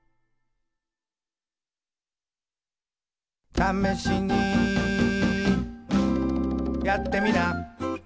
「ためしにやってみな」